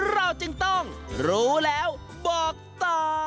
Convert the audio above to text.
เราจึงต้องรู้แล้วบอกต่อ